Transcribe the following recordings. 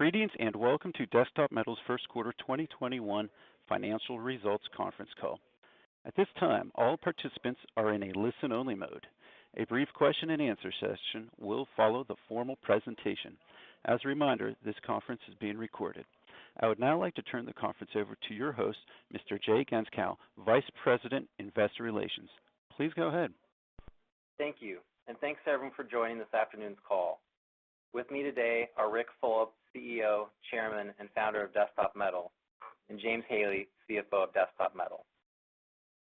Greetings, welcome to Desktop Metal's first quarter 2021 financial results conference call. At this time, all participants are in a listen-only mode. A brief question and answer session will follow the formal presentation. As a reminder, this conference is being recorded. I would now like to turn the conference over to your host, Mr. Jay Gentzkow, Vice President, Investor Relations. Please go ahead. Thank you, and thanks, everyone, for joining this afternoon's call. With me today are Ric Fulop, CEO, Chairman, and Founder of Desktop Metal, and James Haley, CFO of Desktop Metal.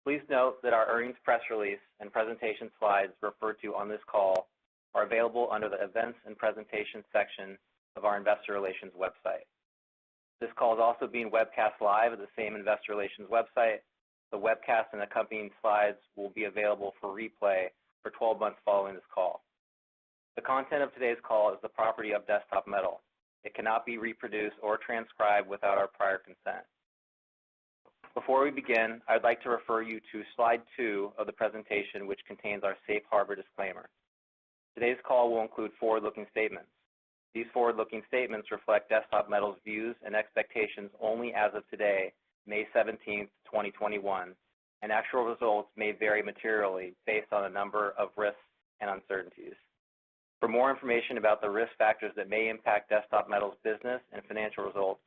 Please note that our earnings press release and presentation slides referred to on this call are available under the Events and Presentation section of our investor relations website. This call is also being webcast live at the same investor relations website. The webcast and accompanying slides will be available for replay for 12 months following this call. The content of today's call is the property of Desktop Metal. It cannot be reproduced or transcribed without our prior consent. Before we begin, I'd like to refer you to slide two of the presentation, which contains our safe harbor disclaimer. Today's call will include forward-looking statements. These forward-looking statements reflect Desktop Metal's views and expectations only as of today, May 17th, 2021, and actual results may vary materially based on a number of risks and uncertainties. For more information about the risk factors that may impact Desktop Metal's business and financial results,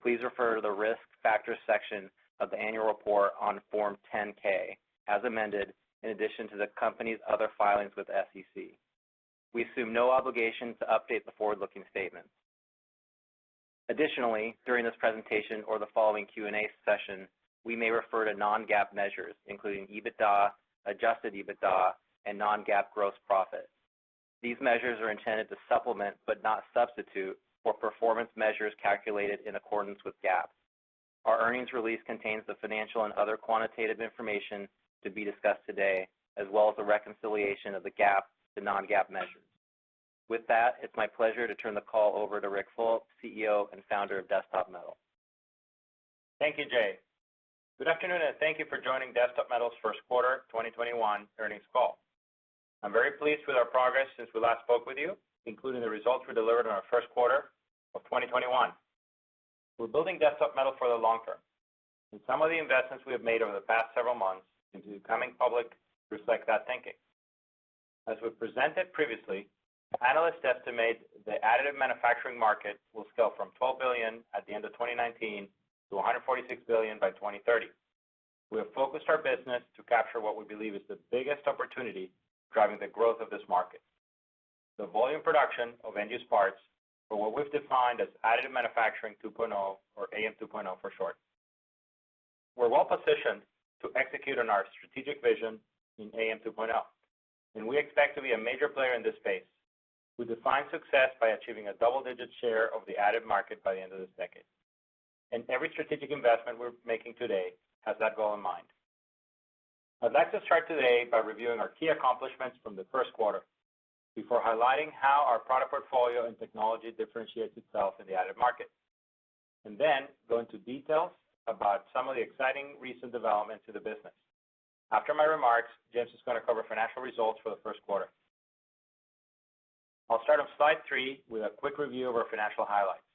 please refer to the Risk Factors section of the annual report on Form 10-K as amended, in addition to the company's other filings with the SEC. We assume no obligation to update the forward-looking statements. Additionally, during this presentation or the following Q&A session, we may refer to non-GAAP measures, including EBITDA, adjusted EBITDA, and non-GAAP gross profit. These measures are intended to supplement, but not substitute, for performance measures calculated in accordance with GAAP. Our earnings release contains the financial and other quantitative information to be discussed today as well as the reconciliation of the GAAP to non-GAAP measures. With that, it's my pleasure to turn the call over to Ric Fulop, CEO and Founder of Desktop Metal. Thank you, Jay. Good afternoon, and thank you for joining Desktop Metal's first quarter 2021 earnings call. I'm very pleased with our progress since we last spoke with you, including the results we delivered in our first quarter of 2021. We're building Desktop Metal for the long term, and some of the investments we have made over the past several months into becoming public reflect that thinking. As we presented previously, analysts estimate the additive manufacturing market will scale from $12 billion at the end of 2019 to $146 billion by 2030. We have focused our business to capture what we believe is the biggest opportunity driving the growth of this market, the volume production of end-use parts for what we've defined as Additive Manufacturing 2.0, or AM 2.0 for short. We're well-positioned to execute on our strategic vision in AM 2.0, and we expect to be a major player in this space. We define success by achieving a double-digit share of the additive market by the end of this decade, and every strategic investment we're making today has that goal in mind. I'd like to start today by reviewing our key accomplishments from the first quarter before highlighting how our product portfolio and technology differentiates itself in the additive market. Go into details about some of the exciting recent developments in the business. After my remarks, James is going to cover financial results for the first quarter. I'll start on slide three with a quick review of our financial highlights.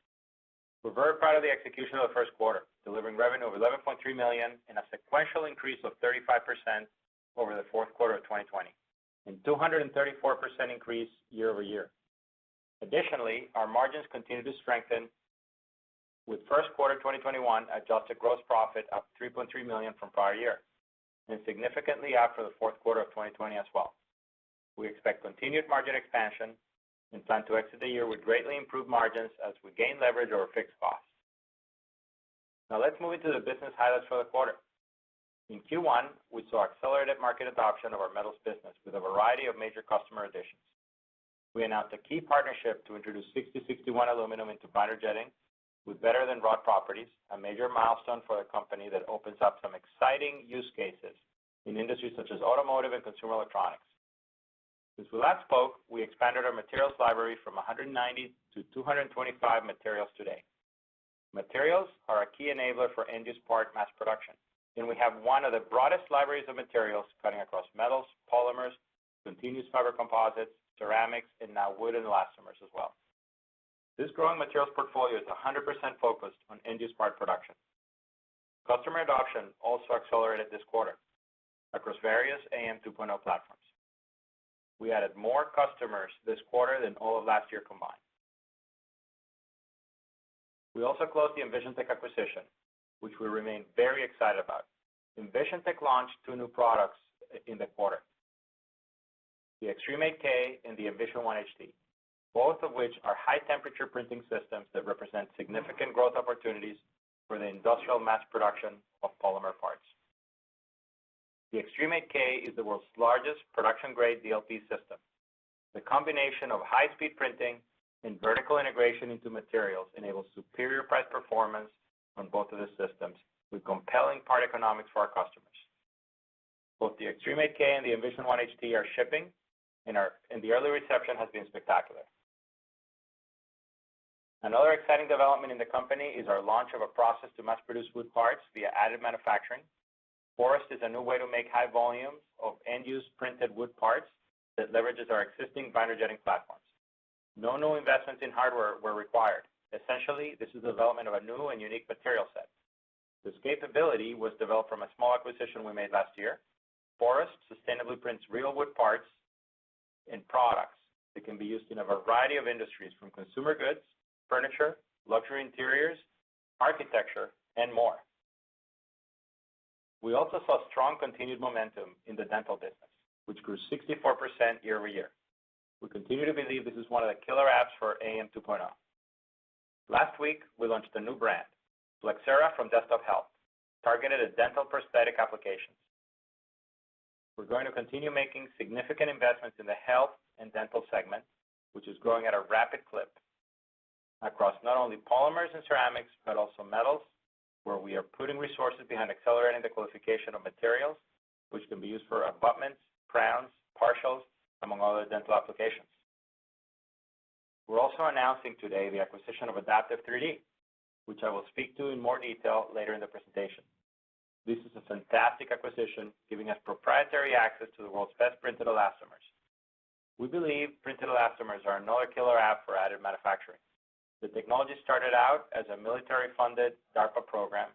We're very proud of the execution of the first quarter, delivering revenue of $11.3 million and a sequential increase of 35% over the fourth quarter of 2020, and 234% increase year-over-year. Additionally, our margins continue to strengthen with first quarter 2021 adjusted gross profit up $3.3 million from prior year and significantly up from the fourth quarter of 2020 as well. We expect continued margin expansion and time to exit the year with greatly improved margins as we gain leverage over our fixed costs. Now let's move into the business highlights for the quarter. In Q1, we saw accelerated market adoption of our metals business with a variety of major customer additions. We announced a key partnership to introduce 6061 aluminum into binder jetting with better-than-wrought properties, a major milestone for our company that opens up some exciting use cases in industries such as automotive and consumer electronics. Since we last spoke, we expanded our materials library from 190 to 225 materials today. Materials are a key enabler for end-use part mass production, and we have one of the broadest libraries of materials cutting across metals, polymers, continuous fiber composites, ceramics, and now wood and elastomers as well. This growing materials portfolio is 100% focused on end-use part production. Customer adoption also accelerated this quarter across various AM 2.0 platforms. We added more customers this quarter than all of last year combined. We also closed the EnvisionTEC acquisition, which we remain very excited about. EnvisionTEC launched two new products in the quarter, the Xtreme 8K and the Envision One HT, both of which are high-temperature printing systems that represent significant growth opportunities for the industrial mass production of polymer parts. The Xtreme 8K is the world's largest production-grade DLP system. The combination of high-speed printing and vertical integration into materials enables superior price performance on both of the systems with compelling part economics for our customers. Both the Xtreme 8K and the Envision One HT are shipping, and the early reception has been spectacular. Another exciting development in the company is our launch of a process to mass produce wood parts via additive manufacturing. Forust is a new way to make high volumes of end-use printed wood parts that leverages our existing binder jetting platforms. No new investments in hardware were required. Essentially, this is development of a new and unique material set. This capability was developed from a small acquisition we made last year. Forust sustainably prints real wood parts in products that can be used in a variety of industries from consumer goods, furniture, luxury interiors, architecture, and more. We also saw strong continued momentum in the dental business, which grew 64% year-over-year. We continue to believe this is one of the killer apps for AM 2.0. Last week, we launched a new brand, Flexcera from Desktop Health, targeted at dental prosthetic applications. We're going to continue making significant investments in the health and dental segment, which is growing at a rapid clip across not only polymers and ceramics, but also metals, where we are putting resources behind accelerating the qualification of materials, which can be used for abutments, crowns, partials, among other dental applications. We're also announcing today the acquisition of Adaptive3D, which I will speak to in more detail later in the presentation. This is a fantastic acquisition, giving us proprietary access to the world's best printed elastomers. We believe printed elastomers are another killer app for additive manufacturing. The technology started out as a military-funded DARPA program.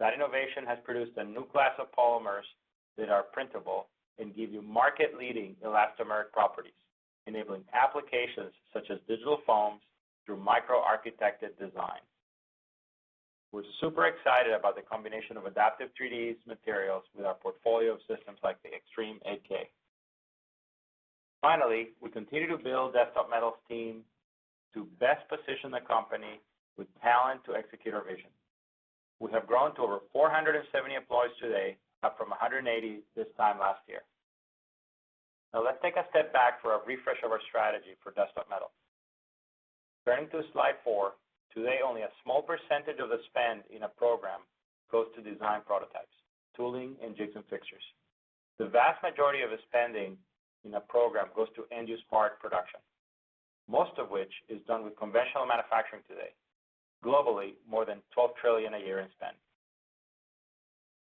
That innovation has produced a new class of polymers that are printable and give you market-leading elastomeric properties, enabling applications such as digital foams through micro-architected design. We're super excited about the combination of Adaptive3D's materials with our portfolio of systems like the Xtreme 8K. We continue to build Desktop Metal's team to best position the company with talent to execute our vision. We have grown to over 470 employees today, up from 180 this time last year. Let's take a step back for a refresh of our strategy for Desktop Metal. Turning to slide four, today only a small percentage of the spend in a program goes to design prototypes, tooling, and jigs and fixtures. The vast majority of the spending in a program goes to end-use part production, most of which is done with conventional manufacturing today. Globally, more than $12 trillion a year in spend.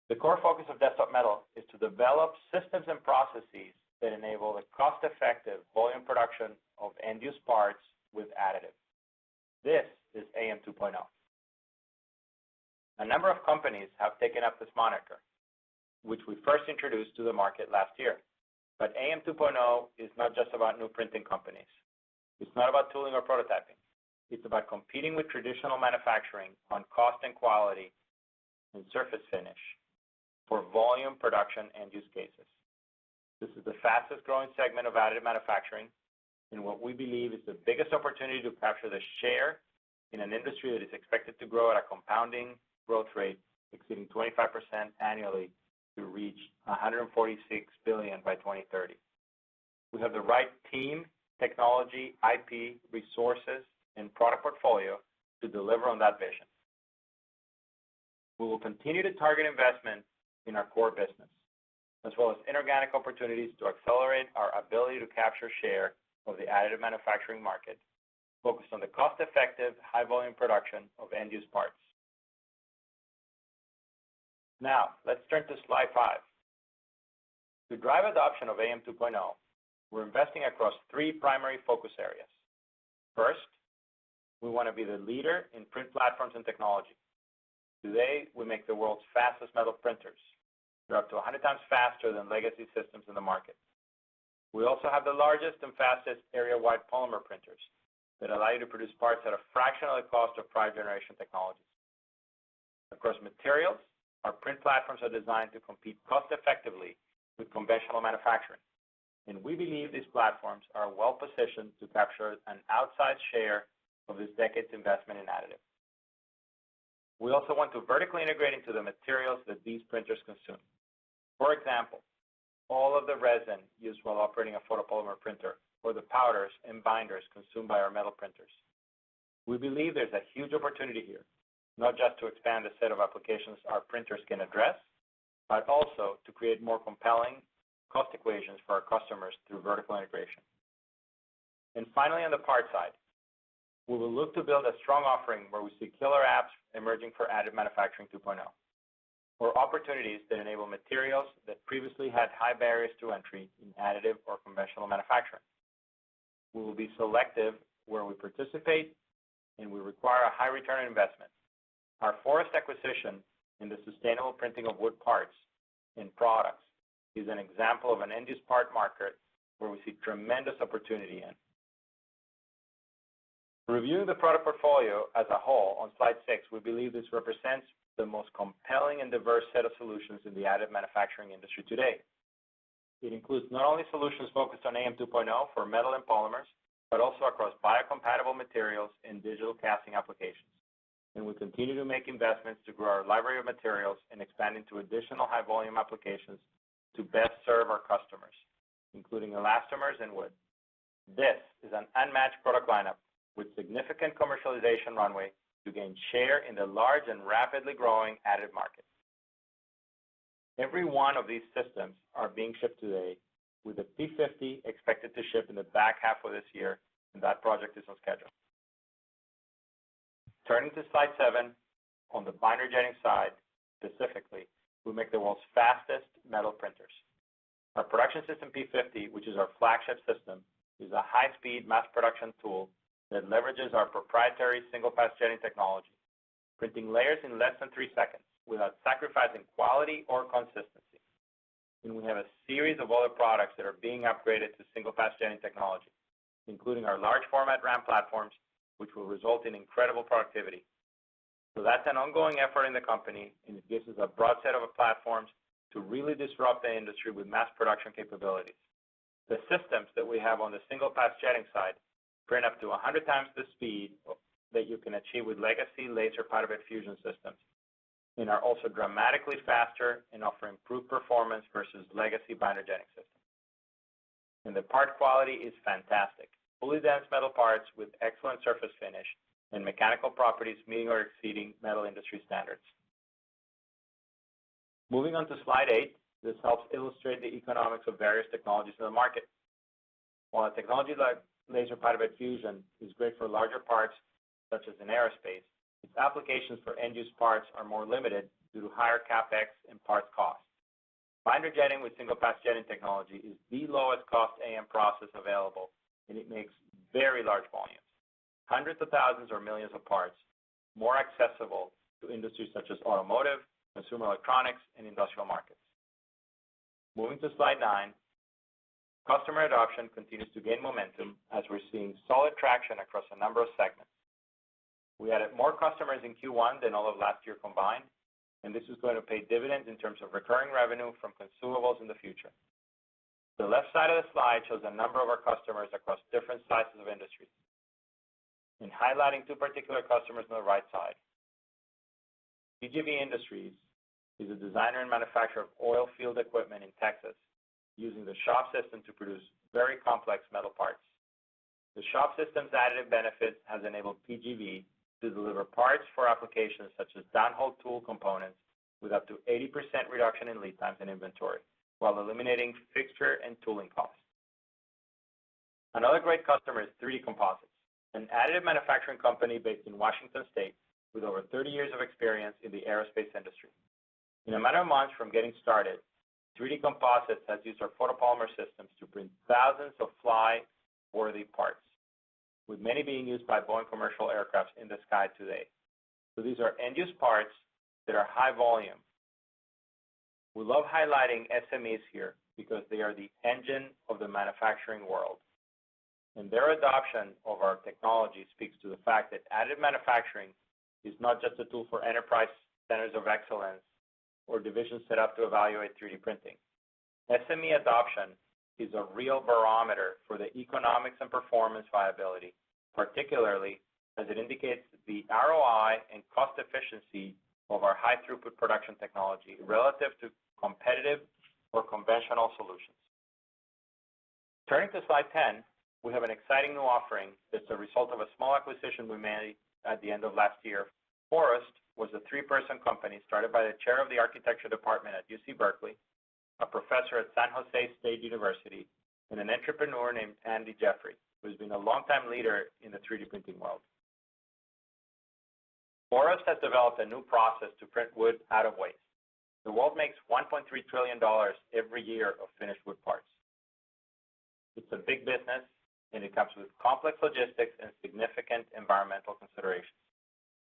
The core focus of Desktop Metal is to develop systems and processes that enable the cost-effective volume production of end-use parts with additives. This is AM 2.0. A number of companies have taken up this moniker, which we first introduced to the market last year. AM 2.0 is not just about new printing companies. It's not about tooling or prototyping. It's about competing with traditional manufacturing on cost and quality and surface finish for volume production end-use cases. This is the fastest-growing segment of additive manufacturing and what we believe is the biggest opportunity to capture the share in an industry that is expected to grow at a compounding growth rate exceeding 25% annually to reach $146 billion by 2030. We have the right team, technology, IP, resources, and product portfolio to deliver on that vision. We will continue to target investment in our core business, as well as inorganic opportunities to accelerate our ability to capture share of the additive manufacturing market, focused on the cost-effective, high-volume production of end-use parts. Now let's turn to slide five. To drive adoption of AM 2.0, we're investing across three primary focus areas. First, we want to be the leader in print platforms and technology. Today, we make the world's fastest metal printers. They're up to 100 times faster than legacy systems in the market. We also have the largest and fastest area-wide polymer printers that allow you to produce parts at a fraction of the cost of prior generation technologies. Of course, materials, our print platforms are designed to compete cost-effectively with conventional manufacturing. We believe these platforms are well-positioned to capture an outsized share of this decade's investment in additive. We also want to vertically integrate into the materials that these printers consume. For example, all of the resin used while operating a photopolymer printer or the powders and binders consumed by our metal printers. We believe there's a huge opportunity here, not just to expand the set of applications our printers can address, but also to create more compelling cost equations for our customers through vertical integration. Finally, on the parts side, we will look to build a strong offering where we see killer apps emerging for Additive Manufacturing 2.0, or opportunities that enable materials that previously had high barriers to entry in additive or conventional manufacturing. We will be selective where we participate, and we require a high return on investment. Our Forust acquisition in the sustainable printing of wood parts and products is an example of an end-use part market where we see tremendous opportunity in. Reviewing the product portfolio as a whole on slide six, we believe this represents the most compelling and diverse set of solutions in the additive manufacturing industry today. It includes not only solutions focused on AM 2.0 for metal and polymers, but also across biocompatible materials and digital casting applications. We continue to make investments to grow our library of materials and expand into additional high-volume applications to best serve our customers, including elastomers and wood. This is an unmatched product lineup with significant commercialization runway to gain share in the large and rapidly growing additive market. Every one of these systems are being shipped today with the P-50 expected to ship in the back half of this year, that project is on schedule. Turning to slide seven, on the binder jetting side, specifically, we make the world's fastest metal printers. Our Production System P-50, which is our flagship system, is a high-speed mass production tool that leverages our proprietary Single Pass Jetting technology, printing layers in less than three seconds without sacrificing quality or consistency. We have a series of other products that are being upgraded to Single Pass Jetting technology, including our large format RAM platforms, which will result in incredible productivity. That's an ongoing effort in the company, and it gives us a broad set of platforms to really disrupt the industry with mass production capabilities. The systems that we have on the Single Pass Jetting side print up to 100 times the speed that you can achieve with legacy laser powder bed fusion systems and are also dramatically faster and offer improved performance versus legacy binder jetting systems. The part quality is fantastic. Fully dense metal parts with excellent surface finish and mechanical properties meeting or exceeding metal industry standards. Moving on to slide eight, this helps illustrate the economics of various technologies in the market. While a technology like laser powder bed fusion is great for larger parts such as in aerospace, its applications for end-use parts are more limited due to higher CapEx and part cost. Binder jetting with Single Pass Jetting technology is the lowest cost AM process available. It makes very large volumes, hundreds of thousands or millions of parts, more accessible to industries such as automotive, consumer electronics, and industrial markets. Moving to slide nine, customer adoption continues to gain momentum as we're seeing solid traction across a number of segments. We added more customers in Q1 than all of last year combined. This is going to pay dividends in terms of recurring revenue from consumables in the future. The left side of the slide shows a number of our customers across different sizes of industries. In highlighting two particular customers on the right side, PGV Industries is a designer and manufacturer of oil field equipment in Texas using the Shop System to produce very complex metal parts. The Shop System's additive benefits has enabled PGV to deliver parts for applications such as downhole tool components with up to 80% reduction in lead time and inventory while eliminating fixture and tooling costs. Another great customer is 3D Composites, an additive manufacturing company based in Washington State with over 30 years of experience in the aerospace industry. In a matter of months from getting started, 3D Composites has used our photopolymer systems to print thousands of fly-worthy parts, with many being used by Boeing commercial aircraft in the sky today. These are end-use parts that are high volume. We love highlighting SMEs here because they are the engine of the manufacturing world. Their adoption of our technology speaks to the fact that additive manufacturing is not just a tool for enterprise centers of excellence or divisions set up to evaluate 3D printing. SME adoption is a real barometer for the economics and performance viability, particularly as it indicates the ROI and cost efficiency of our high throughput production technology relative to competitive or conventional solutions. Turning to slide 10, we have an exciting new offering that's the result of a small acquisition we made at the end of last year. Forust was a three-person company started by the chair of the architecture department at UC Berkeley, a professor at San Jose State University, and an entrepreneur named Andrew Jeffery, who has been a longtime leader in the 3D printing world. Forust has developed a new process to print wood out of waste. The world makes $1.3 trillion every year of finished wood parts. It's a big business, and it comes with complex logistics and significant environmental considerations,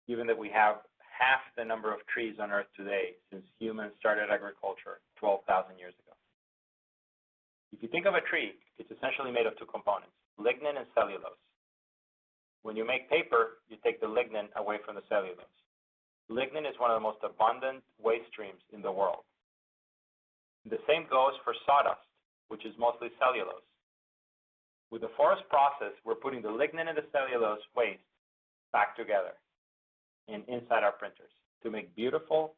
given that we have half the number of trees on Earth today since humans started agriculture 12,000 years ago. If you think of a tree, it's essentially made of two components, lignin and cellulose. When you make paper, you take the lignin away from the cellulose. Lignin is one of the most abundant waste streams in the world. The same goes for sawdust, which is mostly cellulose. With the Forust process, we're putting the lignin and the cellulose waste back together and inside our printers to make beautiful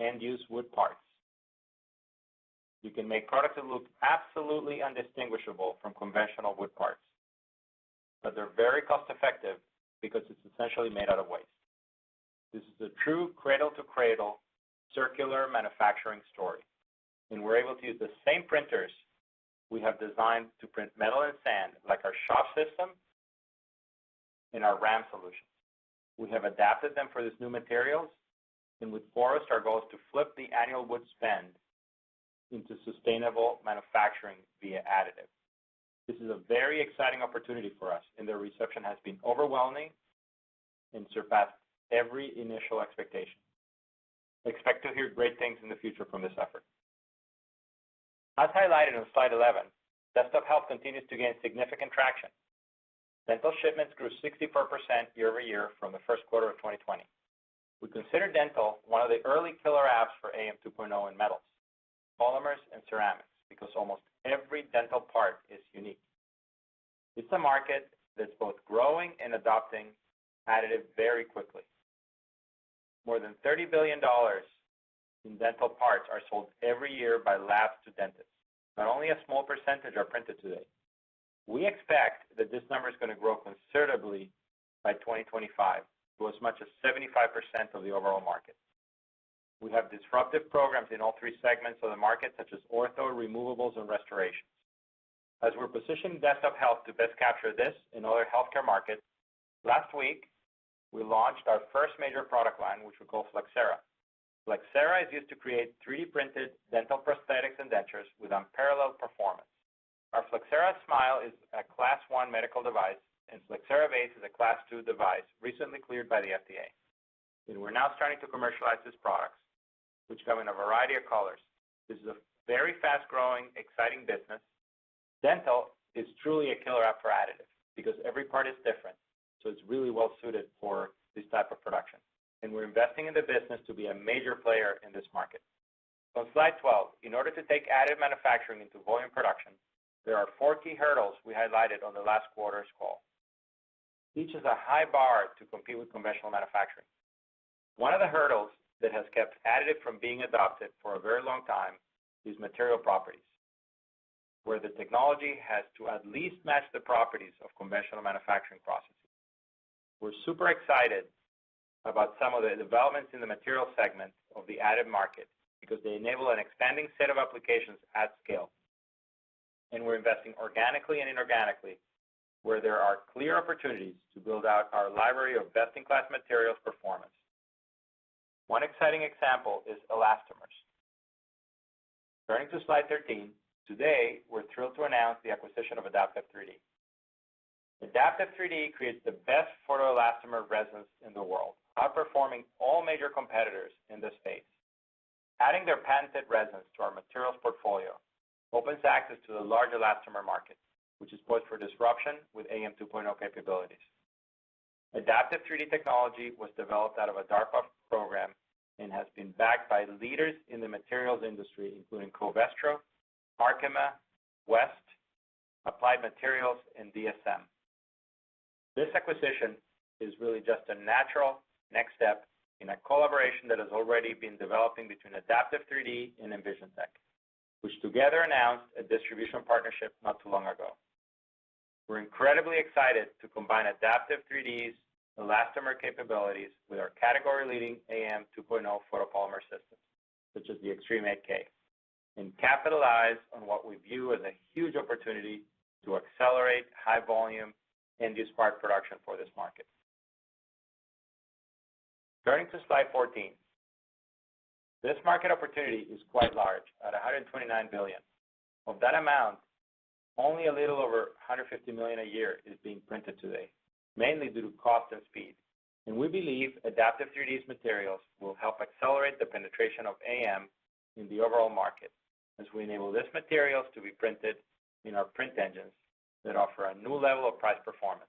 end-use wood parts. We can make parts that look absolutely undistinguishable from conventional wood parts, but they're very cost-effective because it's essentially made out of waste. This is a true cradle to cradle circular manufacturing story. We're able to use the same printers we have designed to print metal and sand, like our Shop System and our RAM solutions. We have adapted them for these new materials. With Forust, our goal is to flip the annual wood spend into sustainable manufacturing via additive. This is a very exciting opportunity for us. The reception has been overwhelming and surpassed every initial expectation. Expect to hear great things in the future from this effort. As highlighted on slide 11, Desktop Health continues to gain significant traction. Dental shipments grew 64% year-over-year from the first quarter of 2020. We consider dental one of the early killer apps for AM 2.0 in metals, polymers, and ceramics because almost every dental part is unique. It's a market that's both growing and adopting additive very quickly. More than $30 billion in dental parts are sold every year by labs to dentists, but only a small percentage are printed today. We expect that this number is going to grow considerably by 2025 to as much as 75% of the overall market. We have disruptive programs in all three segments of the market, such as ortho, removables, and restorations. As we're positioning Desktop Health to best capture this and other healthcare markets, last week, we launched our first major product line, which we call Flexcera. Flexcera is used to create 3D-printed dental prosthetics and dentures with unparalleled performance. Our Flexcera Smile is a Class I medical device. Flexcera Base is a Class II device recently cleared by the FDA. We're now starting to commercialize these products, which come in a variety of colors. This is a very fast-growing, exciting business. Dental is truly a killer app for additives because every part is different, so it's really well-suited for this type of production. We're investing in the business to be a major player in this market. On slide 12, in order to take additive manufacturing into volume production, there are four key hurdles we highlighted on the last quarter's call. Each has a high bar to compete with conventional manufacturing. One of the hurdles that has kept additive from being adopted for a very long time is material properties, where the technology has to at least match the properties of conventional manufacturing processes. We're super excited about some of the developments in the material segment of the additive markets because they enable an expanding set of applications at scale. We're investing organically and inorganically where there are clear opportunities to build out our library of best-in-class materials performance. One exciting example is elastomers. Turning to slide 13, today, we're thrilled to announce the acquisition of Adaptive3D. Adaptive3D creates the best photoelastomer resins in the world, outperforming all major competitors in the space. Adding their patented resins to our materials portfolio opens access to the larger elastomer market, which is poised for disruption with AM 2.0 capabilities. Adaptive3D technology was developed out of a DARPA program and has been backed by leaders in the materials industry, including Covestro, Arkema, West, Applied Materials, and DSM. This acquisition is really just a natural next step in a collaboration that has already been developing between Adaptive3D and EnvisionTEC, which together announced a distribution partnership not too long ago. We're incredibly excited to combine Adaptive3D's elastomer capabilities with our category-leading AM 2.0 photopolymer systems, such as the Xtreme 8K, and capitalize on what we view as a huge opportunity to accelerate high volume end-use part production for this market. Turning to slide 14. This market opportunity is quite large at $129 billion. Of that amount, only a little over $150 million a year is being printed today, mainly due to cost and speed. We believe Adaptive3D's materials will help accelerate the penetration of AM in the overall market as we enable this material to be printed in our print engines that offer a new level of price performance.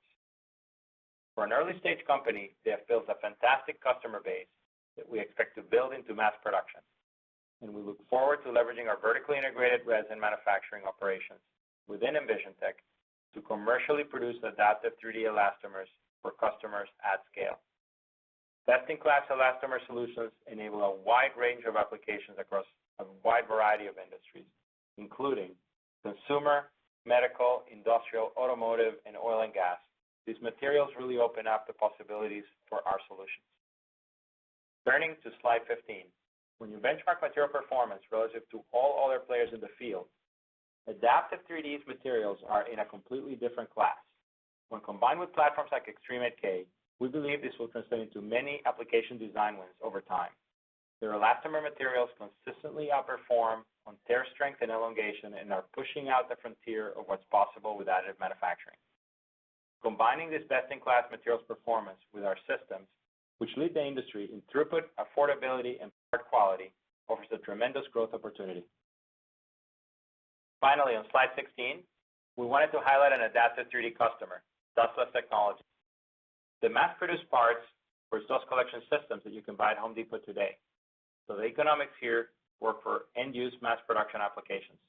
For an early-stage company, they have built a fantastic customer base that we expect to build into mass production. We look forward to leveraging our vertically integrated resin manufacturing operations within EnvisionTEC to commercially produce Adaptive3D elastomers for customers at scale. Best-in-class elastomer solutions enable a wide range of applications across a wide variety of industries, including consumer, medical, industrial, automotive, and oil and gas. These materials really open up the possibilities for our solutions. Turning to slide 15. When you benchmark material performance relative to all other players in the field, Adaptive3D's materials are in a completely different class. When combined with platforms like Xtreme 8K, we believe this will translate to many application design wins over time. Their elastomer materials consistently outperform on tear strength and elongation and are pushing out the frontier of what's possible with additive manufacturing. Combining this best-in-class materials performance with our systems, which lead the industry in throughput, affordability, and part quality, offers a tremendous growth opportunity. Finally, on slide 16, we wanted to highlight an Adaptive3D customer, Dustless Technologies. They mass produce parts for dust collection systems that you can buy at The Home Depot today. The economics here work for end-use mass production applications.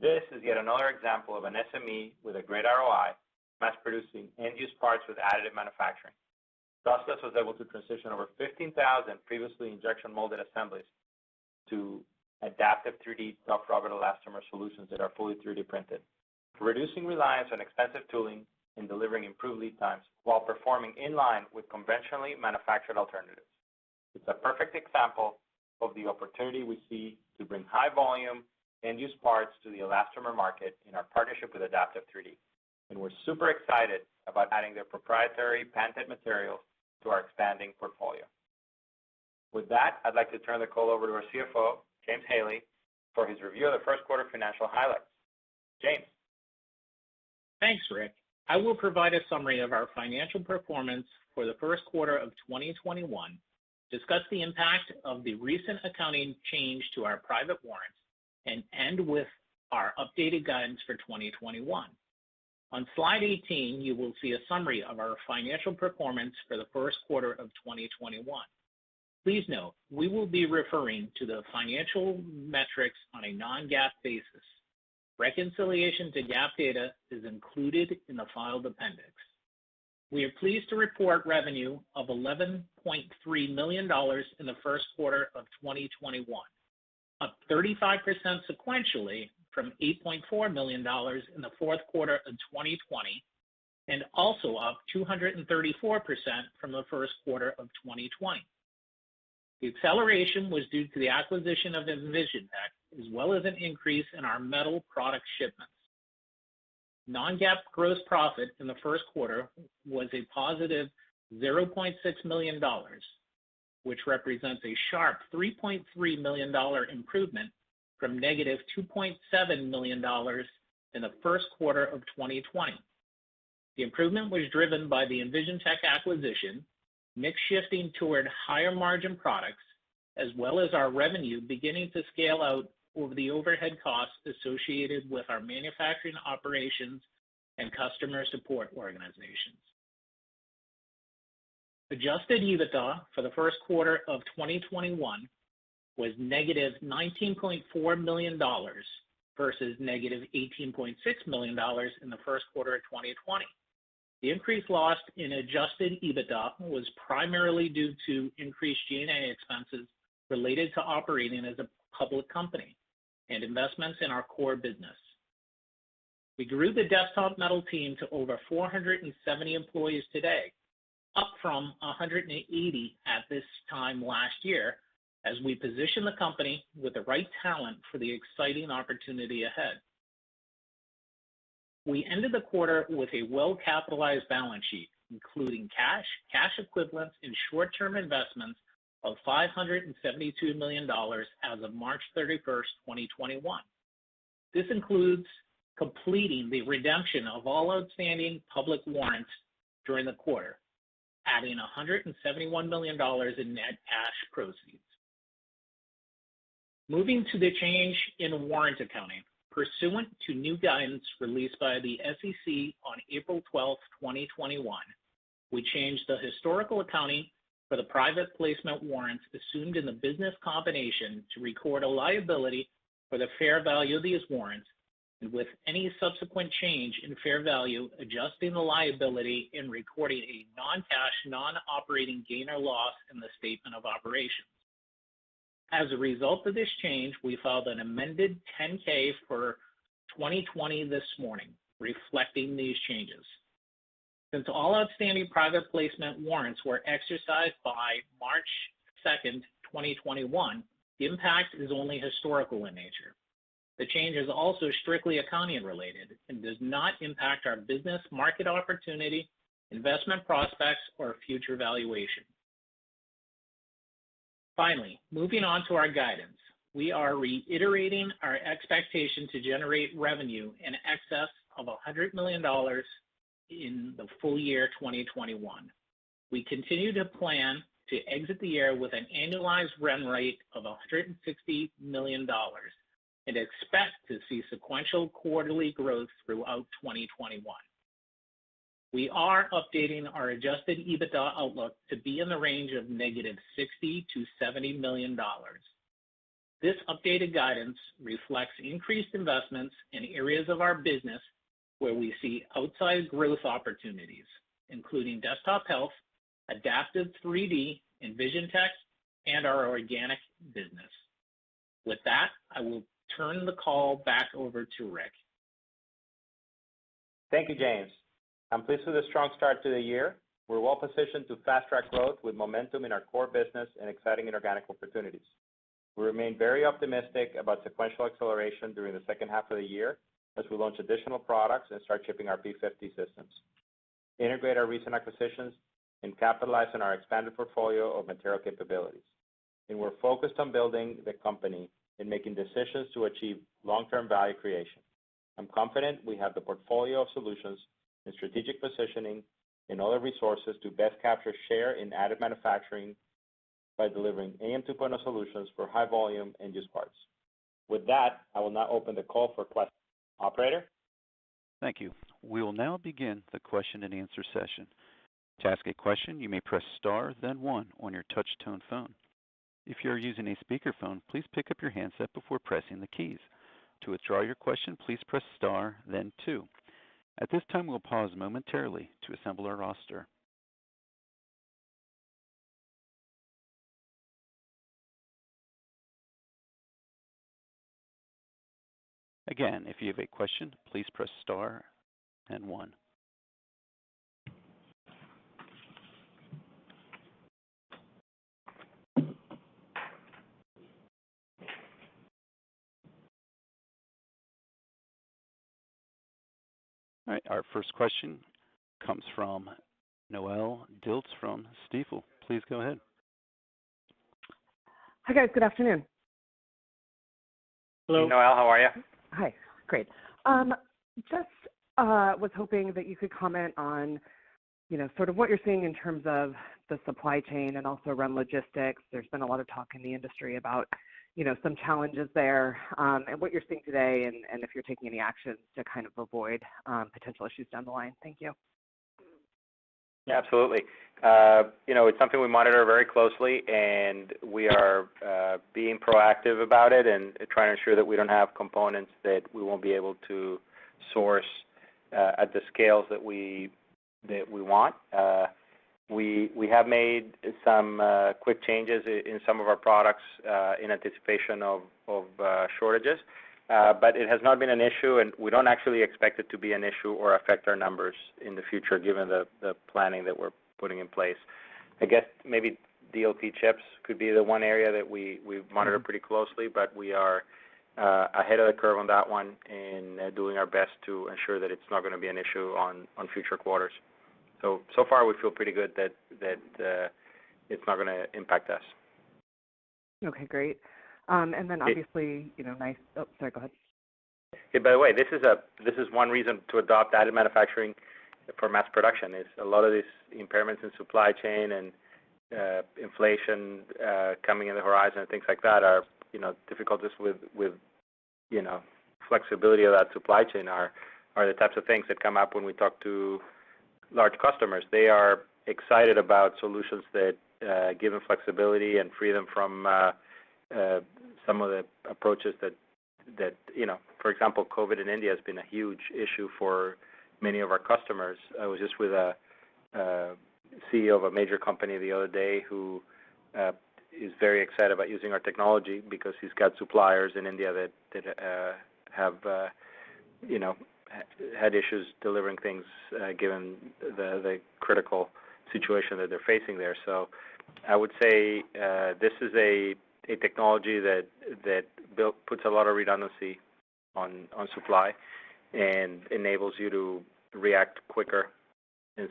This is yet another example of an SME with a great ROI mass producing end-use parts with additive manufacturing. Dustless was able to transition over 15,000 previously injection molded assemblies to Adaptive3D Soft ToughRubber elastomer solutions that are fully 3D printed, reducing reliance on expensive tooling and delivering improved lead times while performing in line with conventionally manufactured alternatives. It's a perfect example of the opportunity we see to bring high volume end-use parts to the elastomer market in our partnership with Adaptive3D. We're super excited about adding their proprietary patented materials to our expanding portfolio. With that, I'd like to turn the call over to our CFO, James Haley, for his review of the first quarter financial highlights. James? Thanks, Ric Fulop. I will provide a summary of our financial performance for the first quarter of 2021, discuss the impact of the recent accounting change to our private warrants, and end with our updated guidance for 2021. On slide 18, you will see a summary of our financial performance for the first quarter of 2021. Please note, we will be referring to the financial metrics on a non-GAAP basis. Reconciliation to GAAP data is included in the filed appendix. We are pleased to report revenue of $11.3 million in the first quarter of 2021, up 35% sequentially from $8.4 million in the fourth quarter of 2020, also up 234% from the first quarter of 2020. The acceleration was due to the acquisition of EnvisionTEC, as well as an increase in our metal product shipments. Non-GAAP gross profit in the first quarter was a positive $0.6 million, which represents a sharp $3.3 million improvement from negative $2.7 million in the first quarter of 2020. The improvement was driven by the EnvisionTEC acquisition, mix shifting toward higher margin products, as well as our revenue beginning to scale out over the overhead costs associated with our manufacturing operations and customer support organizations. Adjusted EBITDA for the first quarter of 2021 was negative $19.4 million versus negative $18.6 million in the first quarter of 2020. The increased loss in adjusted EBITDA was primarily due to increased G&A expenses related to operating as a public company and investments in our core business. We grew the Desktop Metal team to over 470 employees today, up from 180 at this time last year, as we position the company with the right talent for the exciting opportunity ahead. We ended the quarter with a well-capitalized balance sheet, including cash equivalents, and short-term investments of $572 million as of March 31st, 2021. This includes completing the redemption of all outstanding public warrants during the quarter, adding $171 million in net cash proceeds. Moving to the change in warrant accounting. Pursuant to new guidance released by the SEC on April 12th, 2021, we changed the historical accounting for the private placement warrants assumed in the business combination to record a liability for the fair value of these warrants, and with any subsequent change in fair value, adjusting the liability and recording a non-cash, non-operating gain or loss in the statement of operations. As a result of this change, we filed an amended 10-K for 2020 this morning, reflecting these changes. Since all outstanding private placement warrants were exercised by March 2nd, 2021, the impact is only historical in nature. The change is also strictly accounting related and does not impact our business market opportunity, investment prospects, or future valuation. Moving on to our guidance. We are reiterating our expectation to generate revenue in excess of $100 million in the full year 2021. We continue to plan to exit the year with an annualized run rate of $150 million and expect to see sequential quarterly growth throughout 2021. We are updating our adjusted EBITDA outlook to be in the range of negative $60 million-$70 million. This updated guidance reflects increased investments in areas of our business where we see outsized growth opportunities, including Desktop Health, Adaptive3D, EnvisionTEC, and our organic business. With that, I will turn the call back over to Ric. Thank you, James. I'm pleased with a strong start to the year. We're well positioned to fast-track growth with momentum in our core business and exciting organic opportunities. We remain very optimistic about sequential acceleration during the second half of the year as we launch additional products and start shipping our P-50 systems, integrate our recent acquisitions, and capitalize on our expanded portfolio of material capabilities. We're focused on building the company and making decisions to achieve long-term value creation. I'm confident we have the portfolio of solutions and strategic positioning and all the resources to best capture share in additive manufacturing by delivering end-to-end solutions for high volume end-use parts. With that, I will now open the call for questions. Operator? Thank you. We will now begin the question-and-answer session. To ask a question, you may press star then one on your touch-tone phone. If you are using a speakerphone, please pick up your handset before pressing the keys. To withdraw your question, please press star then two. At this time, we will pause momentarily to assemble our roster. Again, if you have a question, please press star and one. All right, our first question comes from Noelle Dilts from Stifel. Please go ahead. Hi, guys. Good afternoon. Hello, Noelle. How are you? Hi. Great. Just was hoping that you could comment on sort of what you're seeing in terms of the supply chain and also around logistics. There's been a lot of talk in the industry about some challenges there and what you're seeing today and if you're taking any actions to kind of avoid potential issues down the line. Thank you. Yeah, absolutely. It's something we monitor very closely, and we are being proactive about it and trying to ensure that we don't have components that we won't be able to source at the scales that we want. We have made some quick changes in some of our products in anticipation of shortages. It has not been an issue, and we don't actually expect it to be an issue or affect our numbers in the future given the planning that we're putting in place. I guess maybe DLP chips could be the one area that we monitor pretty closely, but we are ahead of the curve on that one and doing our best to ensure that it's not going to be an issue on future quarters. So far we feel pretty good that it's not going to impact us. Okay, great. Obviously, nice. Oh, sorry, go ahead. This is one reason to adopt additive manufacturing for mass production, is a lot of these impairments in supply chain and inflation coming in the horizon and things like that are difficulties with flexibility of that supply chain are the types of things that come up when we talk to large customers. They are excited about solutions that give them flexibility and free them from some of the approaches that COVID in India has been a huge issue for many of our customers. I was just with a CEO of a major company the other day who is very excited about using our technology because he's got suppliers in India that have had issues delivering things, given the critical situation that they're facing there. I would say this is a technology that puts a lot of redundancy on supply and enables you to react quicker. We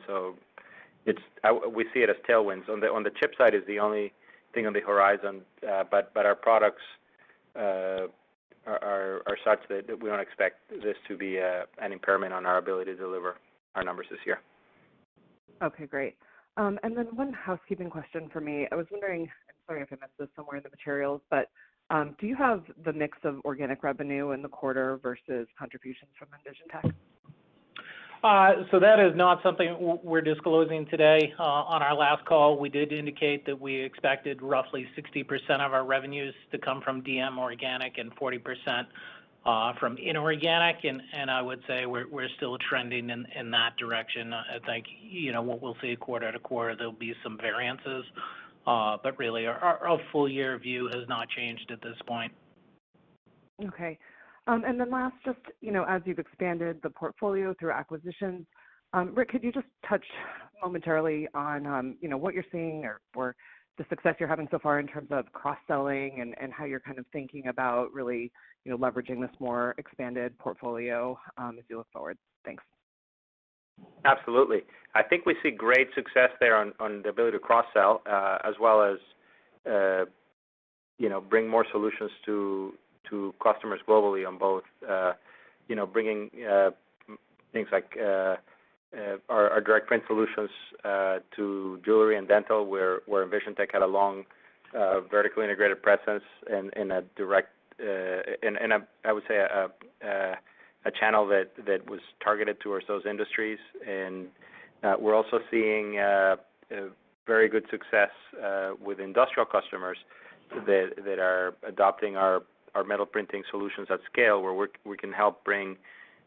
see it as tailwinds. On the chip side is the only thing on the horizon. Our products are such that we don't expect this to be an impairment on our ability to deliver our numbers this year. Okay, great. One housekeeping question for me. I was wondering, I'm sorry if I missed this somewhere in the materials, but do you have the mix of organic revenue in the quarter versus contributions from EnvisionTEC? That is not something we're disclosing today. On our last call, we did indicate that we expected roughly 60% of our revenues to come from DM organic and 40% from inorganic. I would say we're still trending in that direction. I think what we'll see quarter to quarter, there'll be some variances. Really, our full year view has not changed at this point. Okay. Last, just as you've expanded the portfolio through acquisitions, Ric, could you just touch momentarily on what you're seeing or the success you're having so far in terms of cross-selling and how you're thinking about really leveraging this more expanded portfolio as you look forward? Thanks. Absolutely. I think we see great success there on the ability to cross-sell, as well as bring more solutions to customers globally on both, bringing things like our direct print solutions to jewelry and dental, where EnvisionTEC had a long vertically integrated presence and I would say a channel that was targeted towards those industries. We're also seeing very good success with industrial customers that are adopting our metal printing solutions at scale, where we can help bring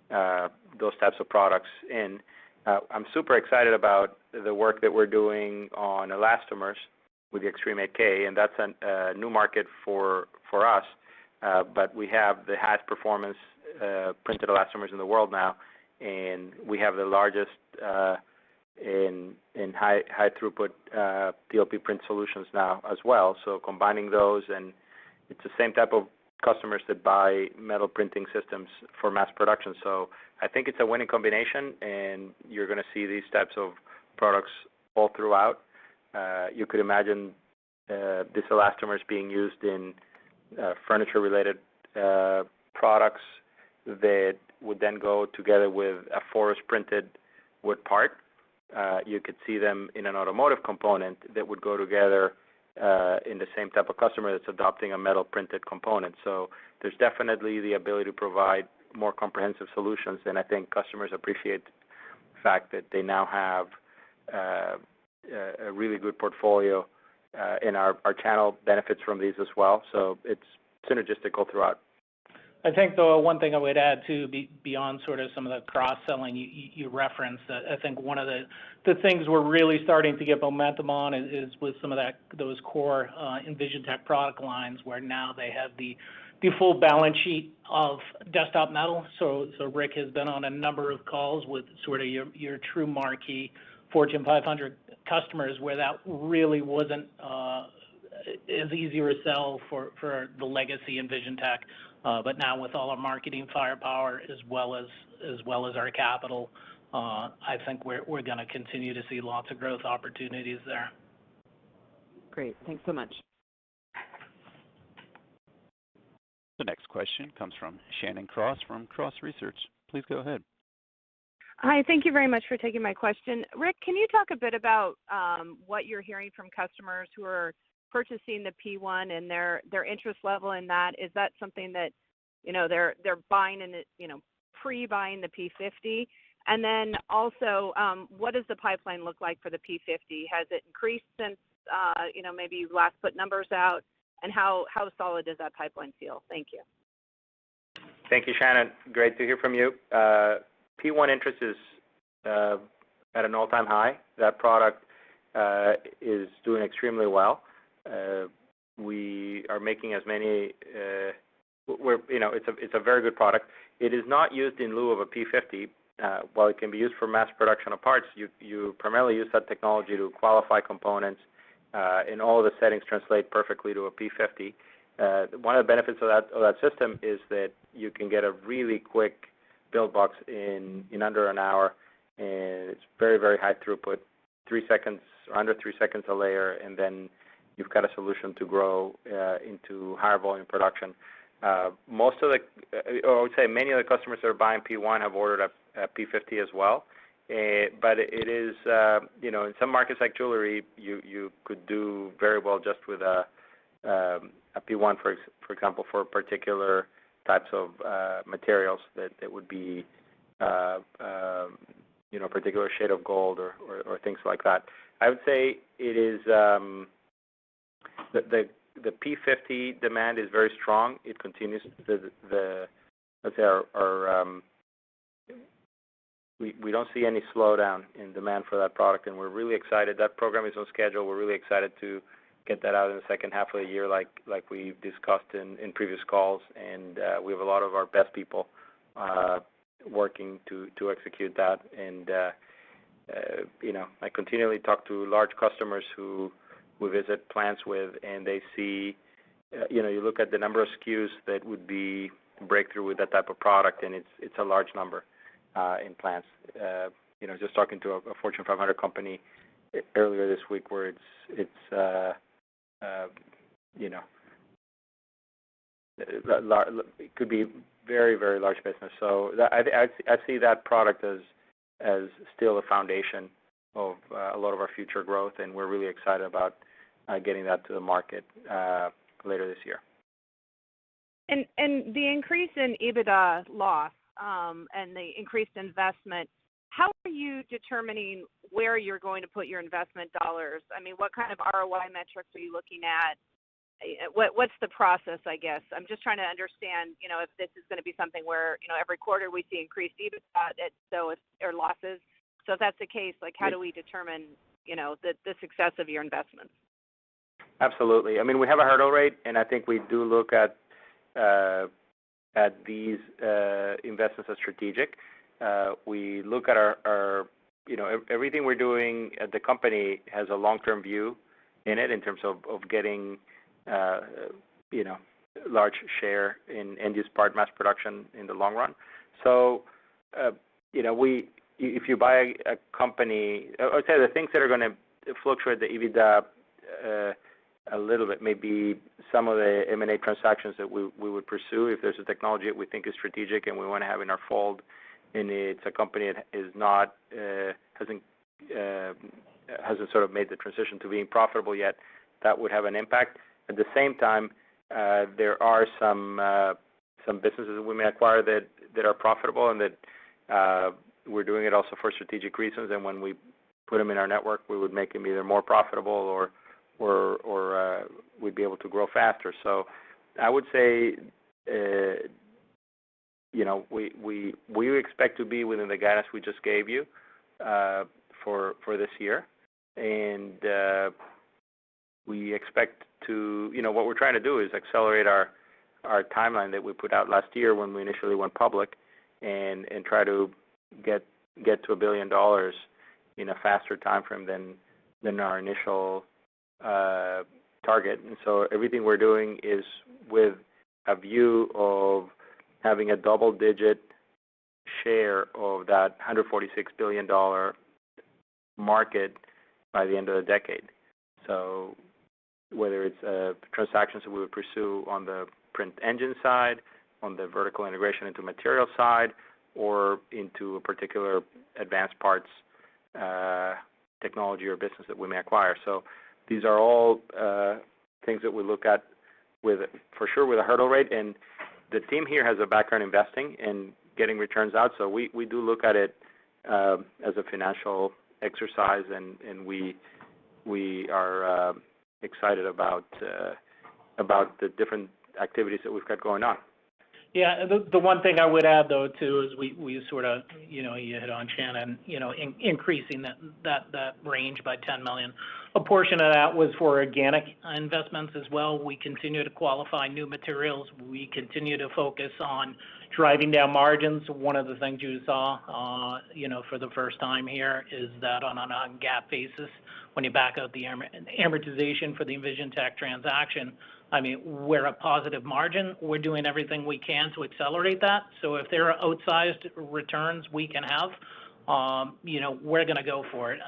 those types of products in. I'm super excited about the work that we're doing on elastomers with the Xtreme 8K, and that's a new market for us. We have the highest performance printed elastomers in the world now, and we have the largest in high throughput DLP print solutions now as well. Combining those, and it's the same type of customers that buy metal printing systems for mass production. I think it's a winning combination, and you're going to see these types of products all throughout. You could imagine these elastomers being used in furniture-related products that would then go together with a Forust-printed wood part. You could see them in an automotive component that would go together in the same type of customer that's adopting a metal-printed component. There's definitely the ability to provide more comprehensive solutions, and I think customers appreciate the fact that they now have a really good portfolio, and our channel benefits from these as well. It's synergistic all throughout. I think, though, one thing I would add, too, beyond sort of some of the cross-selling you referenced, I think one of the things we're really starting to get momentum on is with some of those core EnvisionTEC product lines, where now they have the full balance sheet of Desktop Metal. Ric has been on a number of calls with sort of your true marquee Fortune 500 customers, where that really wasn't as easy to sell for the legacy EnvisionTEC. Now with all our marketing firepower as well as our capital, I think we're going to continue to see lots of growth opportunities there. Great. Thanks so much. The next question comes from Shannon Cross from Cross Research. Please go ahead. Hi. Thank you very much for taking my question. Ric, can you talk a bit about what you're hearing from customers who are purchasing the P-1 and their interest level in that? Is that something that they're pre-buying the P-50? Also, what does the pipeline look like for the P-50? Has it increased since maybe you last put numbers out? How solid does that pipeline feel? Thank you. Thank you, Shannon. Great to hear from you. P-1 interest is at an all-time high. That product is doing extremely well. It's a very good product. It is not used in lieu of a P-50. While it can be used for mass production of parts, you primarily use that technology to qualify components, and all the settings translate perfectly to a P-50. One of the benefits of that system is that you can get a really quick build box in under an hour. It's very high throughput, under three seconds a layer, and then you've got a solution to grow into higher volume production. I would say many of the customers that are buying P-1 have ordered a P-50 as well. In some markets like jewelry, you could do very well just with a P-1, for example, for particular types of materials, a particular shade of gold or things like that. I would say the P-50 demand is very strong. We don't see any slowdown in demand for that product, we're really excited. That program is on schedule. We're really excited to get that out in the second half of the year, like we discussed in previous calls, we have a lot of our best people working to execute that. I continually talk to large customers who we visit plants with, you look at the number of SKUs that would be breakthrough with that type of product, it's a large number in plants. Just talking to a Fortune 500 company earlier this week where it could be very large business. I see that product as still the foundation of a lot of our future growth, and we're really excited about getting that to the market later this year. The increase in EBITDA loss, and the increased investment, how are you determining where you're going to put your investment dollars? What kind of ROI metrics are you looking at? What's the process, I guess? I'm just trying to understand if this is going to be something where every quarter we see increased EBITDA or losses. If that's the case, how do we determine the success of your investments? Absolutely. We have a hurdle rate. I think we do look at these investments as strategic. Everything we're doing at the company has a long-term view in it in terms of getting a large share in this part mass production in the long run. The things that are going to fluctuate the EBITDA a little bit may be some of the M&A transactions that we would pursue if there's a technology that we think is strategic and we want to have in our fold, and it's a company that hasn't sort of made the transition to being profitable yet, that would have an impact. At the same time, there are some businesses that we may acquire that are profitable, and that we're doing it also for strategic reasons, and when we put them in our network, we would make them either more profitable or we'd be able to grow faster. I would say, we expect to be within the guidance we just gave you for this year. What we're trying to do is accelerate our timeline that we put out last year when we initially went public and try to get to $1 billion in a faster timeframe than our initial target. Everything we're doing is with a view of having a double-digit share of that $146 billion market by the end of the decade. Whether it's transactions we would pursue on the print engine side, on the vertical integration into material side, or into a particular advanced parts technology or business that we may acquire. These are all things that we look at for sure with a hurdle rate, and the team here has a background in investing and getting returns out. We do look at it as a financial exercise, and we are excited about the different activities that we've got going on. The one thing I would add, though, too, is we sort of, you hit on, Shannon, increasing that range by $10 million. A portion of that was for organic investments as well. We continue to qualify new materials. We continue to focus on driving down margins. One of the things you saw for the first time here is that on a non-GAAP basis, when you back out the amortization for the EnvisionTEC transaction, we're a positive margin. We're doing everything we can to accelerate that. If there are outsized returns we can have, we're going to go for it.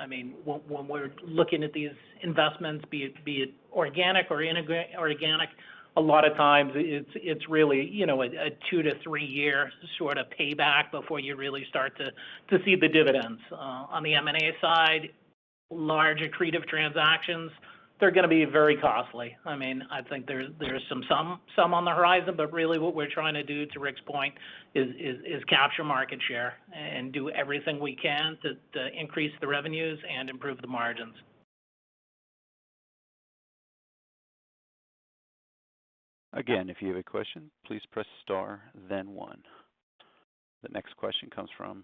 When we're looking at these investments, be it organic or inorganic, a lot of times it's really a two to three year sort of payback before you really start to see the dividends. On the M&A side, large accretive transactions, they're going to be very costly. I think there's some on the horizon, but really what we're trying to do, to Ric's point, is capture market share and do everything we can to increase the revenues and improve the margins. The next question comes from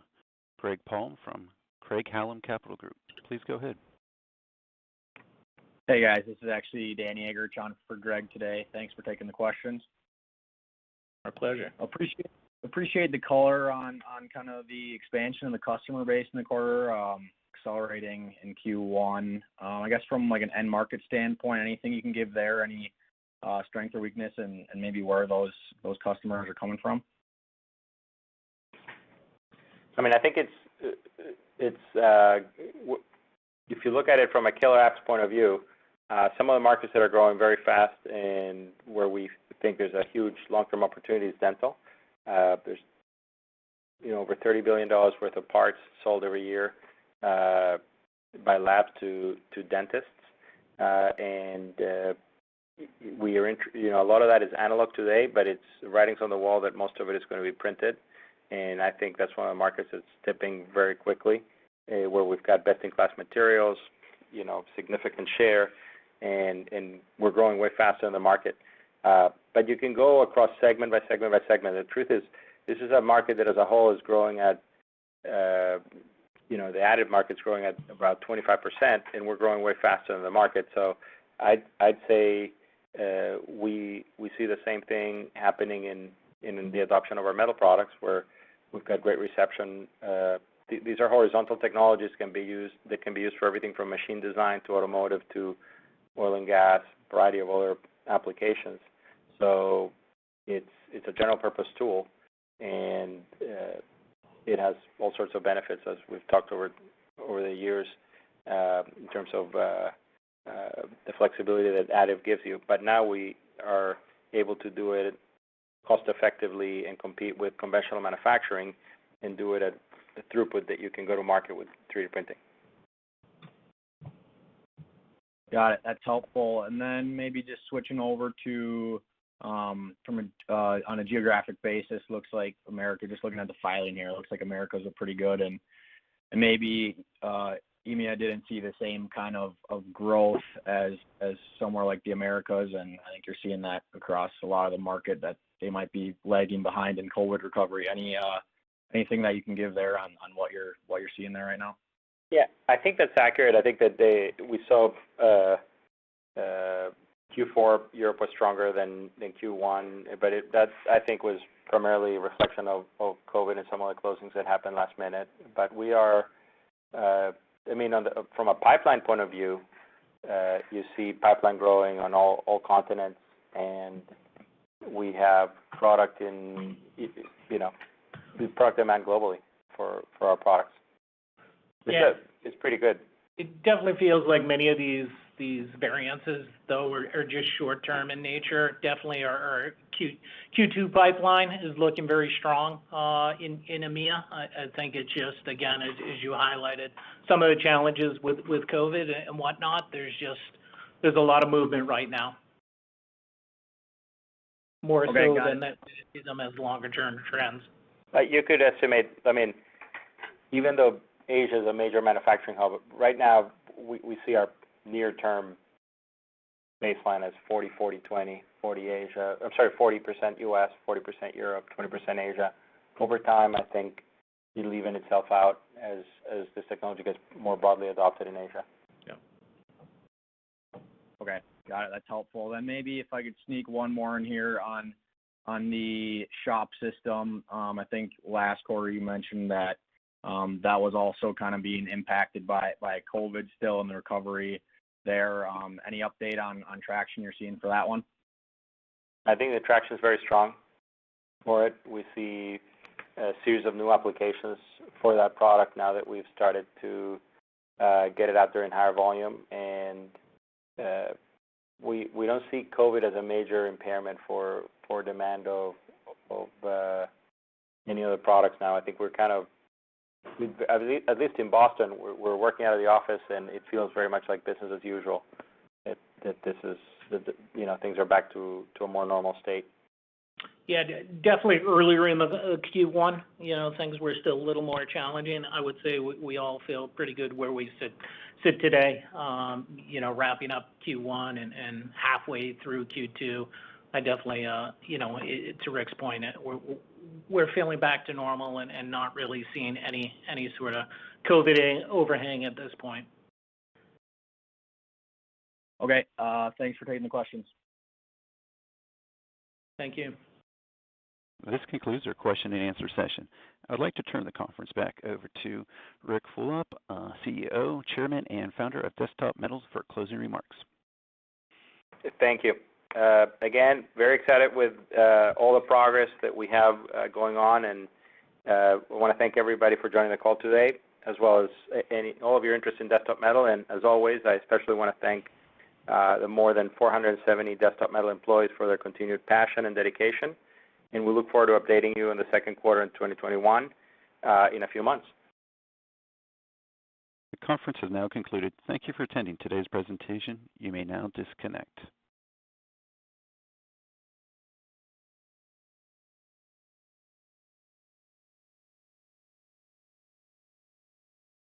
Greg Palm from Craig-Hallum Capital Group. Please go ahead. Hey, guys. This is actually Danny Eggerichs on for Greg today. Thanks for taking the questions. My pleasure. Appreciate the color on the expansion of the customer base in the quarter accelerating in Q1. I guess from an end market standpoint, anything you can give there, any strength or weakness and maybe where those customers are coming from? I think if you look at it from a killer apps point of view, some of the markets that are growing very fast and where we think there's a huge long-term opportunity is dental. There's over $30 billion worth of parts sold every year by labs to dentists. A lot of that is analog today, but it's writing on the wall that most of it is going to be printed, and I think that's one of the markets that's tipping very quickly, where we've got best-in-class materials, significant share, and we're growing way faster than the market. You can go across segment by segment by segment. The truth is this is a market that as a whole is growing at, the additive market's growing at about 25%, and we're growing way faster than the market. I'd say we see the same thing happening in the adoption of our metal products, where we've got great reception. These are horizontal technologies that can be used for everything from machine design to automotive to oil and gas, variety of other applications. It's a general-purpose tool, and it has all sorts of benefits, as we've talked over the years, in terms of the flexibility that additive gives you. Now we are able to do it cost-effectively and compete with conventional manufacturing and do it at the throughput that you can go to market with 3D printing. Got it. That's helpful. Then maybe just switching over to, on a geographic basis, just looking at the filing here, looks like Americas are pretty good and maybe EMEA didn't see the same kind of growth as somewhere like the Americas, and I think you're seeing that across a lot of the market that they might be lagging behind in COVID recovery. Anything that you can give there on what you're seeing there right now? I think that's accurate. I think that we saw Q4 Europe was stronger than Q1, but that, I think, was primarily a reflection of COVID and some of the closings that happened last minute. From a pipeline point of view, you see pipeline growing on all continents, and we have product demand globally for our products. It's pretty good. It definitely feels like many of these variances, though, are just short-term in nature. Definitely our Q2 pipeline is looking very strong in EMEA. I think it's just, again, as you highlighted, some of the challenges with COVID and whatnot. There's a lot of movement right now, more so than I'd necessarily see them as longer-term trends. You could estimate, even though Asia is a major manufacturing hub, right now, we see our near-term baseline as 40/40/20, I'm sorry, 40% U.S., 40% Europe, 20% Asia. Over time, I think it will even itself out as this technology gets more broadly adopted in Asia. Yep. Okay, got it. That's helpful. Maybe if I could sneak one more in here on the Shop System. I think last quarter you mentioned that was also being impacted by COVID still and the recovery there. Any update on traction you're seeing for that one? I think the traction is very strong. We see a series of new applications for that product now that we've started to get it out there in higher volume. We don't see COVID as a major impairment for demand of any of the products now. I think at least in Boston, we're working out of the office, and it feels very much like business as usual, that things are back to a more normal state. Yeah, definitely early in the Q1, things were still a little more challenging. I would say we all feel pretty good where we sit today, wrapping up Q1 and halfway through Q2. Definitely, to Ric's point, we're feeling back to normal and not really seeing any sort of COVID overhang at this point. Okay. Thanks for taking the questions. Thank you. This concludes our question and answer session. I'd like to turn the conference back over to Ric Fulop, CEO, Chairman, and Founder of Desktop Metal for closing remarks. Thank you. Again, very excited with all the progress that we have going on, I want to thank everybody for joining the call today, as well as all of your interest in Desktop Metal. As always, I especially want to thank the more than 470 Desktop Metal employees for their continued passion and dedication, and we look forward to updating you on the second quarter of 2021 in a few months. The conference has now concluded. Thank you for attending today's presentation. You may now disconnect.